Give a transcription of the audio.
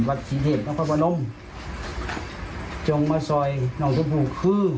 วัดศรีเทพฯนักภักดาวนมจงมาซอยน้องชมพู่คือ